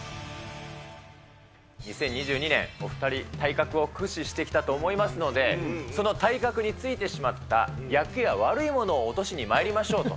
２０２２年、お２人、体格を駆使してきたと思いますので、その体格についてしまった厄や悪いものを落としにまいりましょうと。